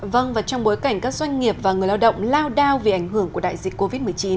vâng và trong bối cảnh các doanh nghiệp và người lao động lao đao vì ảnh hưởng của đại dịch covid một mươi chín